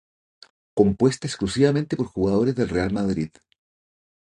Compuesta exclusivamente por jugadores del Real Madrid.